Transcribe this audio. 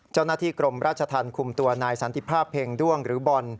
เจ้าหน้าที่กรมราชธรรมคุมตัวนายสันติภาพเพลงด้วงหรือบอล